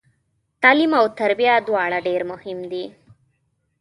تعلیم او تربیه دواړه ډیر مهم دي